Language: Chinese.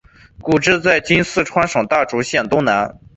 故治在今四川省大竹县东南。